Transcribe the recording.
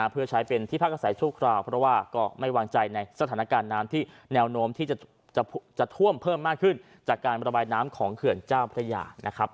เพื่อใช้เป็นที่พักอาศัยชั่วคราวเพราะว่าก็ไม่วางใจในสถานการณ์น้ำที่แนวโน้มที่จะท่วมเพิ่มมากขึ้นจากการระบายน้ำของเขื่อนเจ้าพระยานะครับ